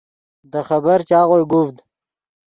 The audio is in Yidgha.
دے خبر چاغوئے گوڤد